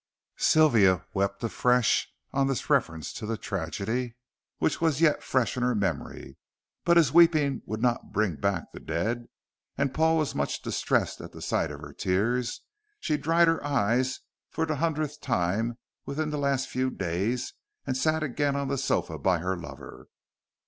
Sylvia wept afresh on this reference to the tragedy which was yet fresh in her memory: but as weeping would not bring back the dead, and Paul was much distressed at the sight of her tears, she dried her eyes for the hundredth time within the last few days and sat again on the sofa by her lover.